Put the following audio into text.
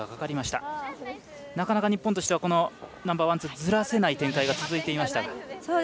なかなか日本としてはナンバーワン、ツーずらせない展開が続いていましたが。